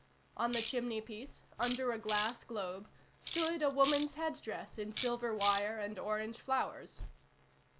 On the chimney piece, under a glass globe, stood a woman's head dress in silver wire and orange flowers.